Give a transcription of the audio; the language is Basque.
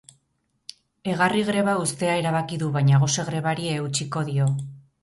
Egarri greba uztea erabaki du, baina gose grebari eutsiko dio.